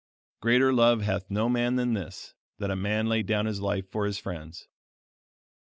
"Greater love hath no man than this, that a man lay down his life for his friends."